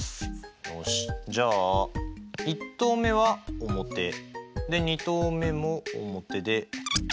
よしじゃあ１投目は表２投目も表で。